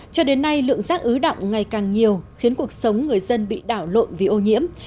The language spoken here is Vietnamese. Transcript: cho đến nay lượng rác ứ động ngày càng nhiều khiến cuộc sống người dân bị đảo lộn vì ô nhiễm